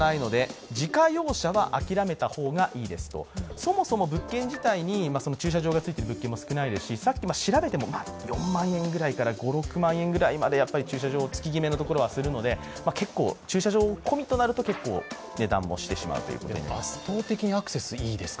そもそも物件自体に駐車場がついている物件も少ないですしさっき調べても４万円ぐらいから５、６万円ぐらいのところまで月極駐車場のところありますので結構駐車場込みとなる値段もしてしまうという。